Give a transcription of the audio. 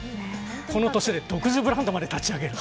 この年齢で独自ブランドまで立ち上げる。